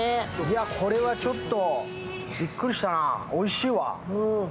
これはちょっとびっくりしたな、おいしいわ。